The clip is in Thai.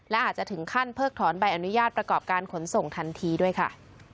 และอาจจะถึงขั้นเพิกถอนใบอนุญาตประกอบการขนส่งทันทีด้วยค่ะ